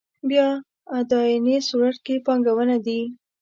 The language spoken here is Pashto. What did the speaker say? بیا اداينې صورت کې پانګونه دي.